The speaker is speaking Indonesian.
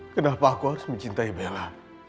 kenapa aku harus mencintai bella